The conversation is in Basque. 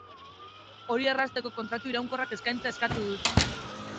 Hori errazteko, kontratu iraunkorrak eskaintzea eskatu dute.